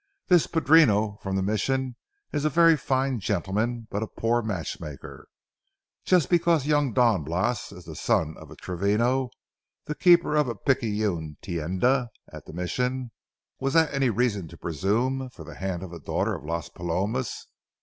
"This padrino from the Mission is a very fine gentleman but a poor matchmaker. Just because young Don Blas is the son of a Travino, the keeper of a picayune tienda at the Mission, was that any reason to presume for the hand of a daughter of Las Palomas?